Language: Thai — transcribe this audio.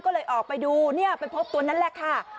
ก็เลยออกไปดูเนี่ยไปพบตัวนั้นแหละค่ะ